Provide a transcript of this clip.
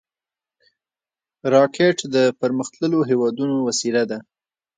راکټ د پرمختللو هېوادونو وسیله ده